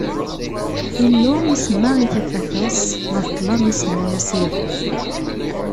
Illu isemma i tafat ass, ma d ṭṭlam isemma-as iḍ.